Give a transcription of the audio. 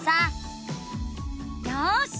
よし！